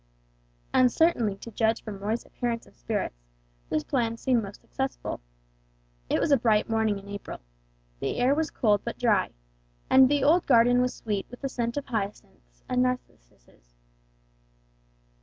And certainly to judge from Roy's appearance and spirits, this plan seemed most successful. It was a bright morning in April. The air was cold but dry, and the old garden was sweet with the scent of hyacinths and narcissuses.